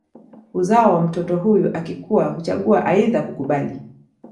Uzao wa mtoto huyu akikua huchagua aidha kukubali